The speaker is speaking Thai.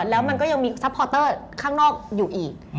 แล้วมันก็ยังมีซัพพอร์เตอร์ข้างนอกอยู่อีก